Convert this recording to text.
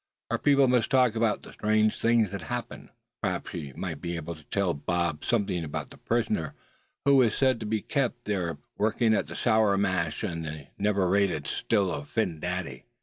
Her people must talk about the strange things that happened; perhaps she might be able to even tell Bob something about the prisoner who was said to be kept up there somewhere, working at the sour mash in the never raided Still of Phin Dady.